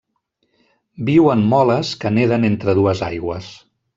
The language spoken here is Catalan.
Viu en moles que neden entre dues aigües.